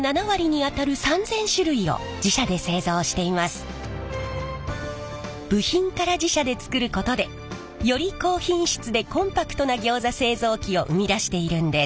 重要なカムをはじめ使う部品から自社で作ることでより高品質でコンパクトなギョーザ製造機を生み出しているんです。